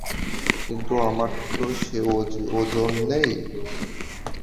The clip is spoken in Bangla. কিন্তু তোমার তো সে ওজর নেই।